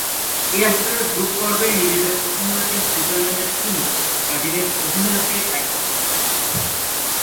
এই আসরের গ্রুপ পর্বে নিজেদের প্রথম ম্যাচে সুইজারল্যান্ডের তিনি ব্রাজিলের অধিনায়কের দায়িত্ব পালন করেছেন।